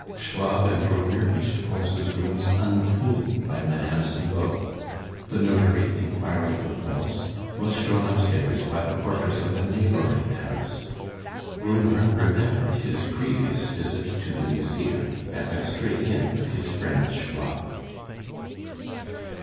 Schwab and Brunner reached Pons' rooms unseen by Mme. Cibot. The notary, inquiring for Pons, was shown upstairs by the portress of a neighboring house. Brunner remembered his previous visit to the museum, and went straight in with his friend Schwab.